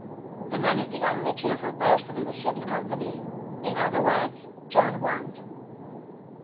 The man is the only cheerful person in the ship's company. In other words John Want.